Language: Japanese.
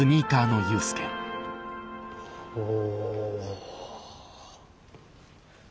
お。